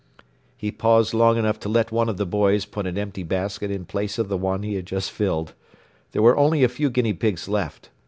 ” He paused long enough to let one of the boys put an empty basket in the place of the one he had just filled. There were only a few guinea pigs left.